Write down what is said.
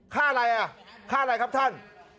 ค่าอะไรครับท่าน